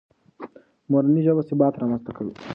مورنۍ ژبه ثبات رامنځته کوي.